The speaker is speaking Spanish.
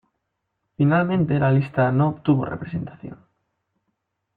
Finalmente la lista no obtuvo representación.